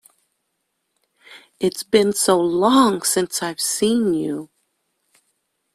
It has been so long since I have seen you!